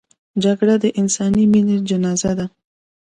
جګړه د انساني مینې جنازه ده